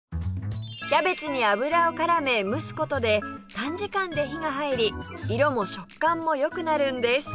キャベツに油をからめ蒸す事で短時間で火が入り色も食感も良くなるんです